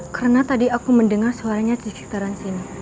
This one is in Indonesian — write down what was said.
karena tadi aku mendengar suaranya di sekitaran sini